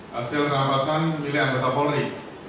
hasil kerapasan pilihan anggota polri